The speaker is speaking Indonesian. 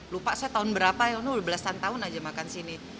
lupa saya tahun berapa ya udah belasan tahun aja makan sini